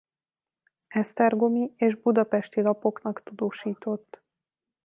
Esztergomi és budapesti lapoknak tudósított.